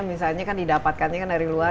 misalnya kan didapatkannya kan dari luar